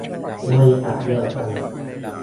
บริษัทเดียวกัน